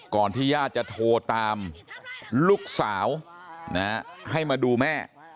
ที่ญาติจะโทรตามลูกสาวให้มาดูแม่